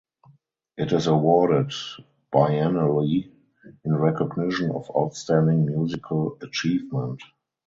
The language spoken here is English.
It is awarded biennially in recognition of outstanding musical achievement.